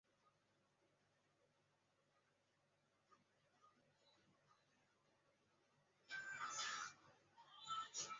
地质遗址全球网络。